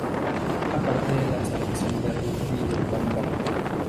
Forma parte de la selección de rugby de Tonga.